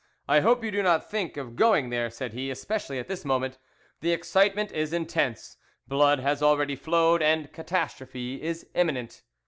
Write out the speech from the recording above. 'I hope you do not think of going there,' said he, 'especially at this moment; the excitement is intense, blood has already flowed, and a catastrophe is imminent.